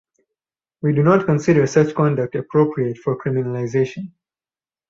We do not consider such conduct appropriate for criminalization.